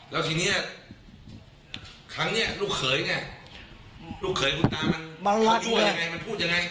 แล้วทีเนี้ยครั้งเนี้ยลูกเขยเนี้ยลูกเขยคุณตามัน